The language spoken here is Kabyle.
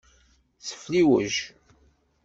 Sefliwej.